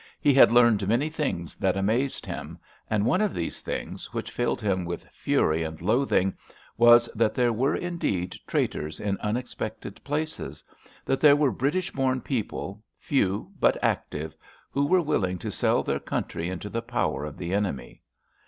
He had learned many things that amazed him, and one of these things, which filled him with fury and loathing, was that there were indeed traitors in unexpected places, that there were British born people, few, but active, who were willing to sell their country into the power of the enemy.